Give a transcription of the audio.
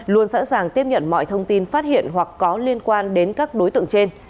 luôn sẵn sàng tiếp nhận mọi thông tin phát hiện hoặc có liên quan đến các đối tượng trên